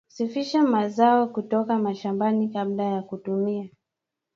Sfisha mazao kutoka shambani kabla ya kutumia